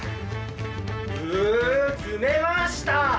う積めました！